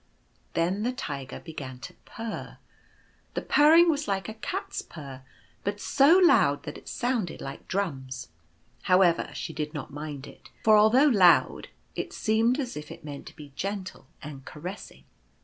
Then the Tiger began to purr. The purring was like a cat's purr, but so loud that it sounded like drums. However, she did not mind it, for although loud it seemed as if it meant to be gentle and caressing.